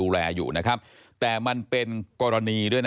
พบหน้าลูกแบบเป็นร่างไร้วิญญาณ